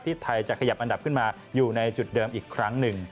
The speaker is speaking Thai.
ไทยจะขยับอันดับขึ้นมาอยู่ในจุดเดิมอีกครั้งหนึ่ง